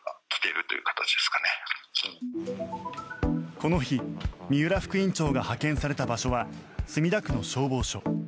この日三浦副院長が派遣された場所は墨田区の消防署。